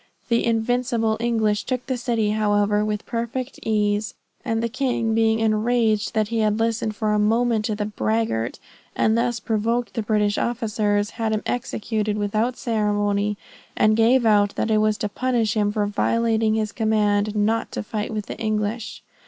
The invincible English took the city, however, with perfect ease; and the king being enraged that he had listened for a moment to the braggart, and thus provoked the British officers, had him executed without ceremony, and gave out that it was to punish him for violating his command 'not to fight the English.'